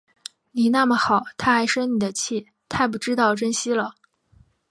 你那么好，她还生你的气，太不知道珍惜了